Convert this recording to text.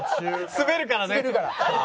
滑るから。